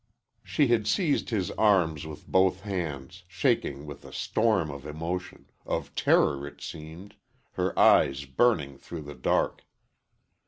She had seized his arm with both hands, shaking with a storm of emotion of terror, it seemed her eyes burning through the dark.